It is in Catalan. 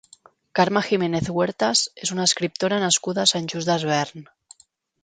Carme Jiménez Huertas és una escriptora nascuda a Sant Just Desvern.